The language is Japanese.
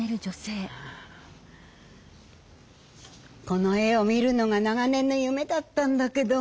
この絵を見るのが長年の夢だったんだけど。